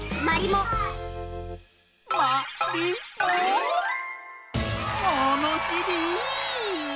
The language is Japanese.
ものしり！